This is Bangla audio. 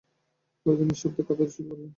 ফরিদা নিঃশব্দে কাঁদতে শুরু করলেন।